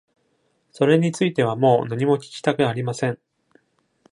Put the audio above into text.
それについてはもう何も聞きたくありません。